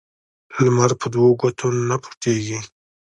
لمر په دوو ګوتو نه پوټیږی.